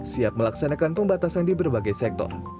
siap melaksanakan pembatasan di berbagai sektor